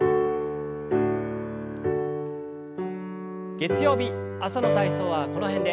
月曜日朝の体操はこの辺で。